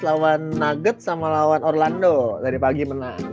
lawan nugget sama lawan orlando dari pagi menang